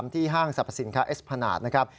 ห้างสรรพสินค้าเอสพนาจนะครับ